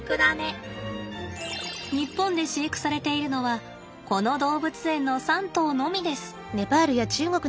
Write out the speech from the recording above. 日本で飼育されているのはこの動物園の３頭のみです。